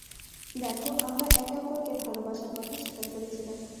দেখো, আমরা একে অপরকে ভালোবাসার কথা স্বীকার করেছিলাম।